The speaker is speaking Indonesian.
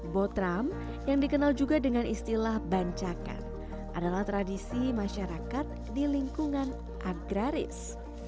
botram yang dikenal juga dengan istilah bancakan adalah tradisi masyarakat di lingkungan agraris